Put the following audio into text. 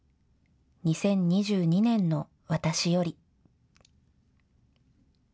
２０２２年の私より。